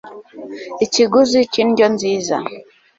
Ikiguzi cy indyo nziza